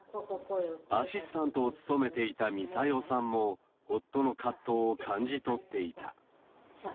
アシスタントを務めていたミサヨさんも、夫の葛藤を感じ取っていた。